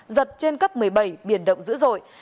giật trên cấp một mươi bảy biển động dữ dội